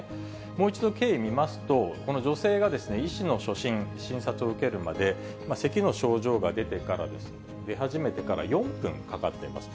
もう一度経緯を見ますと、この女性が医師の初診、診察を受けるまで、せきの症状が出始めてから４分かかっています。